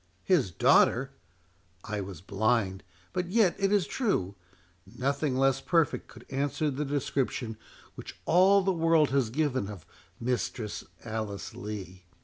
"His daughter!—I was blind—but yet it is true, nothing less perfect could answer the description which all the world has given of Mistress Alice Lee.